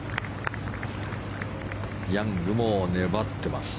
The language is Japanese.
ヤングも粘ってます。